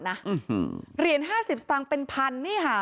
เหรียญห้าสิบตังค์เป็นพัน